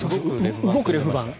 動くレフ板。